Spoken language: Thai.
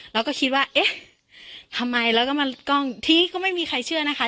เราก็คิดว่าเอ๊ะทำไมแล้วก็มากล้องทีก็ไม่มีใครเชื่อนะคะ